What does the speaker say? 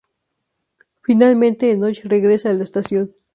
Finalmente Enoch regresa a la estación.